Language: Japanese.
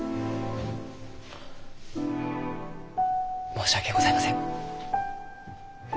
申し訳ございません。